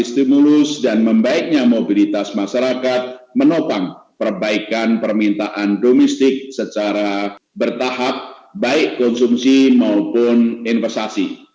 stimulus dan membaiknya mobilitas masyarakat menopang perbaikan permintaan domestik secara bertahap baik konsumsi maupun investasi